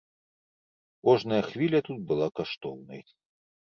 Кожная хвіля тут была каштоўнай.